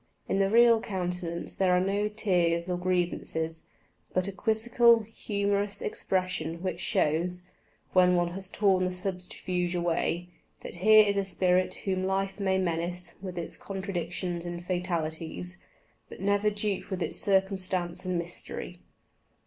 In the real countenance there are no tears or grievances, but a quizzical, humorous expression which shows, when one has torn the subterfuge away, that here is a spirit whom life may menace with its contradictions and fatalities, but never dupe with its circumstance and mystery.